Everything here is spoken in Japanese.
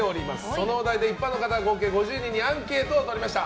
そのお題で一般の方合計５０人にアンケートをとりました。